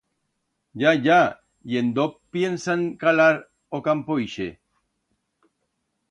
Ya, ya… Y, en dó piensan calar o campo ixe?